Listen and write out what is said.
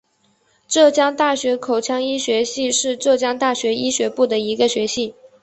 浙江大学口腔医学系是浙江大学医学部的一个学系。